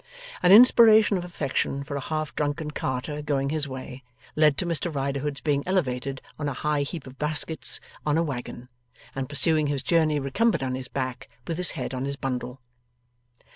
An inspiration of affection for a half drunken carter going his way led to Mr Riderhood's being elevated on a high heap of baskets on a waggon, and pursuing his journey recumbent on his back with his head on his bundle.